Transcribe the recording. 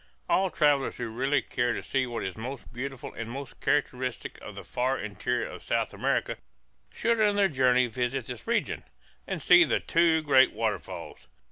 All travellers who really care to see what is most beautiful and most characteristic of the far interior of South America should in their journey visit this region, and see the two great waterfalls.